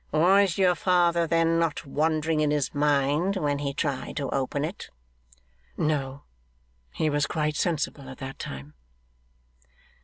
'Was your father, then, not wandering in his mind when he tried to open it?' 'No. He was quite sensible at that time.